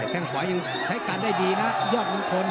แค่งขวายังใช้การได้ดีนะยอดมงคล